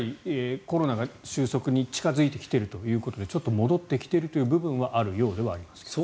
コロナが収束に近付いてきているということでちょっと戻ってきているという部分はあるようではあります。